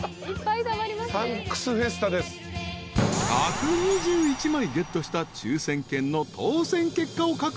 ［１２１枚ゲットした抽選券の当選結果を確認］